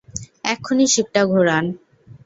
এক্ষুনি শিপটা ঘোরান!